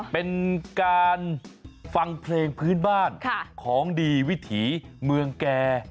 เป็นการฟังเพลงพื้นบ้านของดีวิถีเมืองแก่